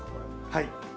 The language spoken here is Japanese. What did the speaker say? はい。